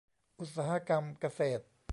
อุตสาหกรรมเกษตร